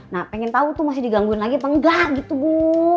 nah pengen tahu tuh masih digangguin lagi apa enggak gitu bu